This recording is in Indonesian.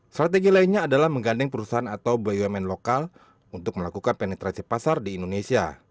strategi lainnya adalah menggandeng perusahaan atau bumn lokal untuk melakukan penetrasi pasar di indonesia